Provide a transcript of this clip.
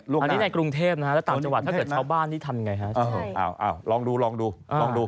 อันนี้ในกรุงเทพฯนะฮะแล้วตามจังหวัดถ้าเกิดชาวบ้านที่ทำอย่างไรฮะ